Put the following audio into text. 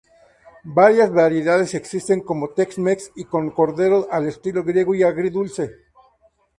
Varias variedades existen, como Tex Mex y con cordero al estilo griego y agridulce.